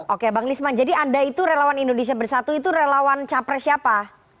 oke bang nisman jadi anda itu lelawan indonesia bersatu itu lelawan capres siapa